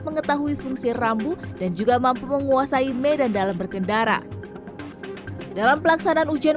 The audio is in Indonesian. mengetahui fungsi rambu dan juga mampu menguasai medan dalam berkendara dalam pelaksanaan ujian